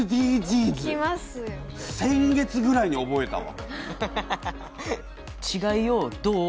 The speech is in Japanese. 先月ぐらいに覚えたわ。